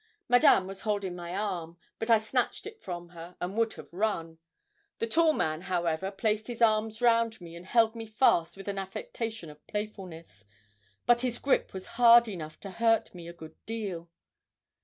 Madame was holding my arm, but I snatched it from her, and would have run; the tall man, however, placed his arms round me and held me fast with an affectation of playfulness, but his grip was hard enough to hurt me a good deal.